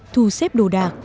thu xếp đồ đạc